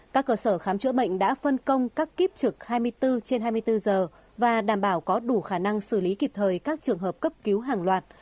các cơ sở khám chữa bệnh đã phân công các kiếp trực hai mươi bốn trên hai mươi bốn giờ và đảm bảo có đủ khả năng xử lý kịp thời các trường hợp cấp cứu hàng loạt